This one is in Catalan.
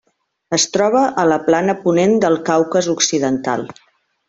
Es troba a la plana ponent del Caucas occidental.